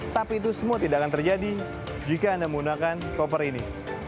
tapi itu semua tidak akan terjadi jika anda menggunakan koper ini